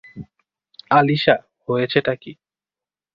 আলিশা, হয়েছেটা কী?